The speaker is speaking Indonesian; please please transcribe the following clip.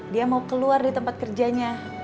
dia mau keluar di tempat kerjanya